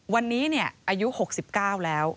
วันนี้เนี่ยอายุ๖๙แล้ว